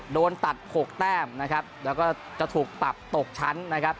โดนตัดหกแต้มนะครับแล้วก็จะถูกปรับตกชั้นนะครับ